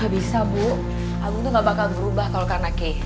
gak bisa bu agung tuh gak bakal berubah kalo karena kay